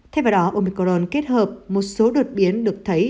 theo đó omicron kết hợp một số đột biến được thấy